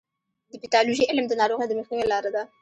د پیتالوژي علم د ناروغیو د مخنیوي لاره ده.